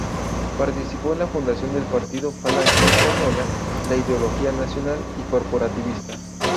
Participó en la fundación del partido Falange Española, de ideología nacional y corporativista.